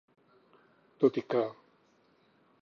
Tot i que.